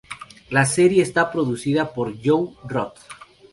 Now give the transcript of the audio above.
La serie estará producida por Joe Roth.